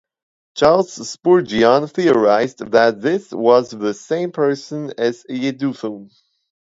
Charles Spurgeon theorized that this was the same person as Jeduthun.